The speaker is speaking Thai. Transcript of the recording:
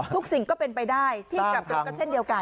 สิ่งก็เป็นไปได้ที่กลับรถก็เช่นเดียวกัน